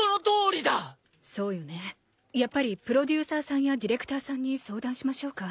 やっぱりプロデューサーさんやディレクターさんに相談しましょうか。